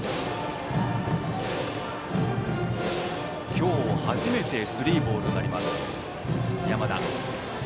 今日初めてスリーボールになります山田。